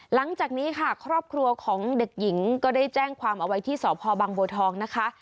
หลังจากนี้ค่ะครอบครัวของเด็กหญิงก็ได้แจ้งความเอาไว้ที่สพบังบัวทองนะคะ